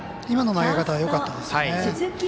今の投げ方はよかったですよね。